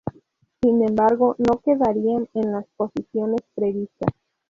Sin embargo, no quedarían en las posiciones previstas.